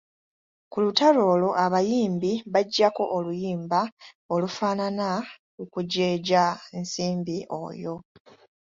Ku lutalo olwo abayimbi baggyako oluyimba olufaanana okujeeja Nsimbi oyo.